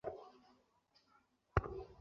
তিমির পরিষ্কার ক্লিনরিনে গলা, আপনি ভালো আছেন?